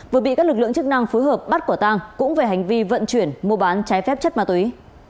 vừa bị các lực lượng chức năng phối hợp bắt quả tang cũng về hành vi vận chuyển mua bán trái phép chất ma túy